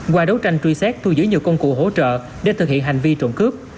qua đấu tranh truy xét thu giữ nhiều công cụ hỗ trợ để thực hiện hành vi trộm cướp